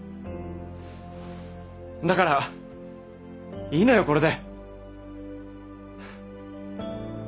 だからいいのよこれで。